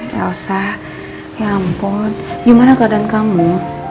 elsa ya ampun gimana keadaan kamu